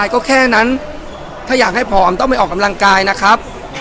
ก็แค่นั้นถ้าอยากให้ผอมต้องไปออกกำลังกายนะครับ